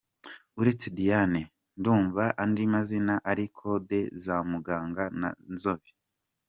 Uretse Diane ndumva andi mazina ari codes za Muganga na Nzobe.